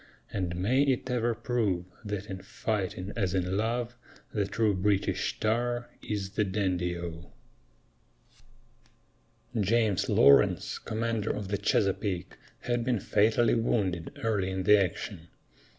And may it ever prove That in fighting as in love The true British tar is the dandy O! James Lawrence, commander of the Chesapeake, had been fatally wounded early in the action.